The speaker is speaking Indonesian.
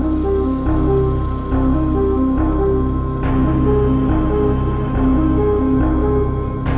gue mulai salih siar